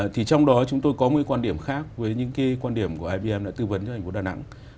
thì trong đó chúng tôi có một mươi quan điểm khác với những cái quan điểm của ibm đã tư vấn cho thành phố đà nẵng